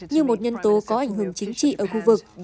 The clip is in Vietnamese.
như một nhân tố có ảnh hưởng chính trị ở khu vực